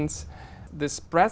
có thể cấu trình